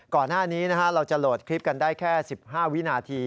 ก่อนหน้านี้เราจะโหลดคลิปกันได้แค่๑๕วินาที